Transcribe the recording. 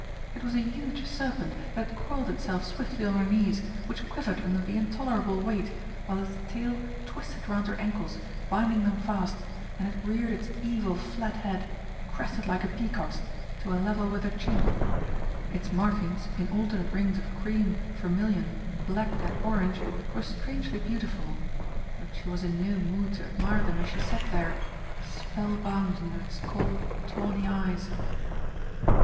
It was a huge serpent that had coiled itself swiftly on her knees, which quivered under the intolerable weight, while its tail twisted round her ankles, binding them fast, and it reared its evil flat head, crested like a peacock's, to a level with her chin. Its markings, in alternate rings of cream, vermilion, black and orange, were strangely beautiful, but she was in no mood to admire them as she sat there spell bound under its cold tawny eyes.